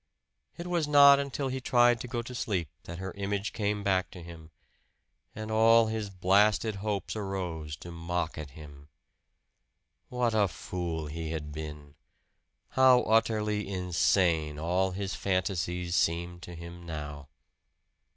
It was not until he tried to go to sleep that her image came back to him, and all his blasted hopes arose to mock at him. What a fool he had been! How utterly insane all his fantasies seemed to him now!